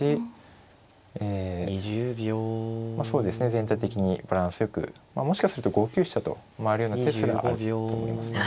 全体的にバランスよくもしかすると５九飛車と回るような手すらあると思いますね。